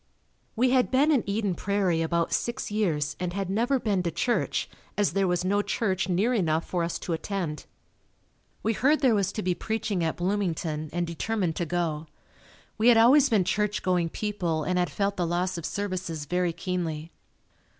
We had been in Eden Prairie about six years and had never been to church as there was no church near enough for us to attend. We heard there was to be preaching at Bloomington, and determined to go. We had always been church going people and had felt the loss of services very keenly.